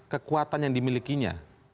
kekuatan yang dimilikinya